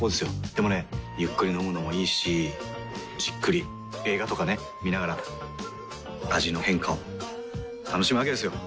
でもねゆっくり飲むのもいいしじっくり映画とかね観ながら味の変化を楽しむわけですよ。